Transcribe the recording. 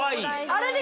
あれで。